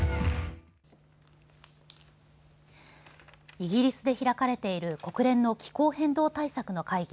イギリスで開かれている国連の気候変動対策の会議